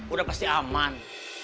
udah pasti aman